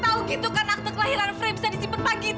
tahu gitu kan akte kelahiran frib bisa disimpan pagi itu